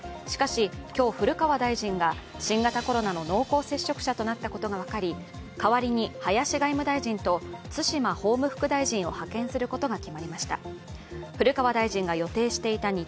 しかし、今日、古川大臣が新型コロナの濃厚接触者となったことが分かり代わりに林外務大臣と津島法務副大臣を派遣することが決まりました。